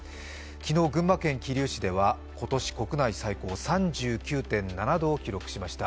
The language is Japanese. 昨日、群馬県桐生市では今年国内最高３９．７度を記録しました。